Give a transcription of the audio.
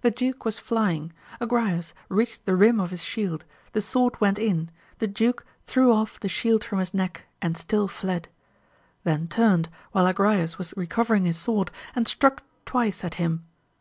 The duke was flying, Agrayes reached the rim of his shield, the sword went in, the duke threw off the shield from his neck, and still fledj then turned, while Agrayes was recovering his sword, and struck twice at him.